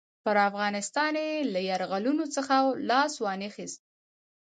پر افغانستان یې له یرغلونو څخه لاس وانه خیست.